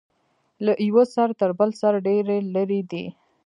له یوه سر تر بل سر ډیر لرې دی.